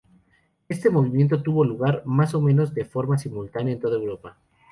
Este movimiento tuvo lugar, más o menos, de forma simultánea en toda Europa.